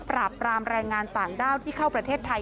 ปราบปรามแรงงานต่างด้าวที่เข้าประเทศไทย